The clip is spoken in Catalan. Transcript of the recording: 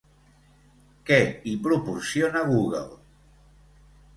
Què hi proporciona Google?